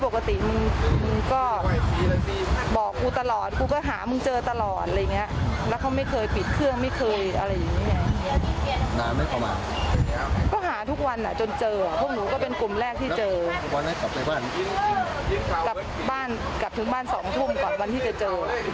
กลับบ้านกลับถึงบ้านสองทุ่มก่อนวันที่จะเจอ